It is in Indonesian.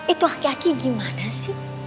itu aki aki gimana sih